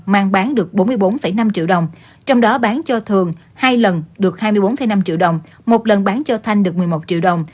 mang bán được bốn mươi bốn năm triệu đồng trong đó bán cho thường hai lần được hai mươi bốn năm triệu đồng một lần bán cho thanh được một mươi một triệu đồng